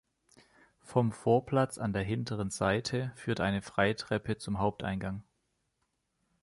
Vom Vorplatz an der hinteren Seite führt eine Freitreppe zum Haupteingang.